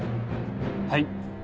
はい。